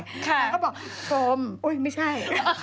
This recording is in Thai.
น้องหน่อยก็บอกชมโอ้ยไม่ใช่